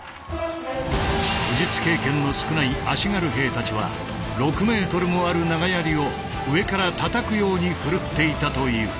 武術経験の少ない足軽兵たちは６ｍもある長槍を上からたたくように振るっていたという。